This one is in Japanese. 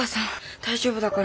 大丈夫だから。